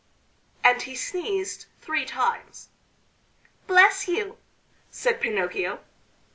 and he sneezed three times. "Bless you!" said Pinocchio.